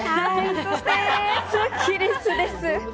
そしてスッキりすです。